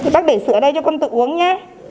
bác để sữa đây cho con tự uống nhé